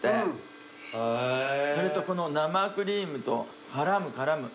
それとこの生クリームと絡む絡む。